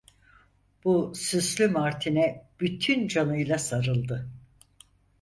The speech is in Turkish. Bu süslü martine bütün canıyla sarıldı.